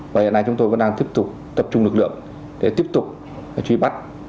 và hiện nay chúng tôi vẫn đang tiếp tục tập trung lực lượng để tiếp tục truy bắt